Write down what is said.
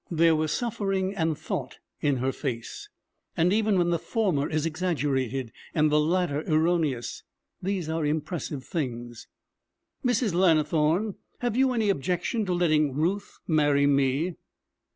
There was suffering and thought in her face, and even when the former is exaggerated and the latter erroneous, these are impressive things. 'Mrs. Lannithorne, have you any objection to letting Ruth marry me?'